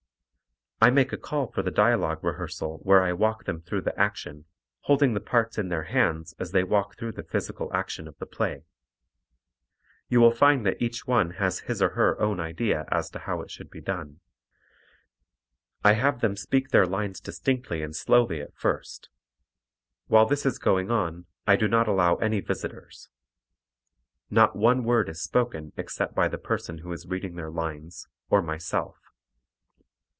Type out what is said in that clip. I make a call for the dialogue rehearsal where I walk them through the action, holding the parts in their hands as they walk through the physical action of the play. You will find that each one has his or her own idea as to how it should be done. I have them speak their lines distinctly and slowly at first. While this is going on I do not allow any visitors. Not one word is spoken except by the person who is reading the lines, or myself.